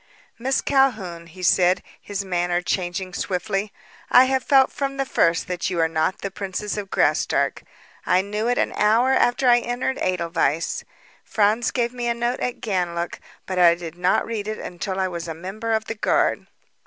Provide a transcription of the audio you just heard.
"Miss Calhoun," he said, his manner changing swiftly, "I have felt from the first that you are not the princess of Graustark. I knew it an hour after I entered Edelweiss. Franz gave me a note at Ganlook, but I did not read it until I was a member of the guard."